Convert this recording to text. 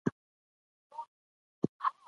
موږ باید له پاکې انرژۍ کار واخلو.